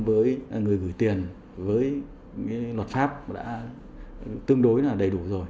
với người gửi tiền với luật pháp đã tương đối là đầy đủ rồi